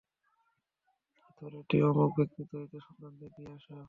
এ থলেটি অমুক ব্যক্তির দরিদ্র সন্তানদের দিয়ে আস।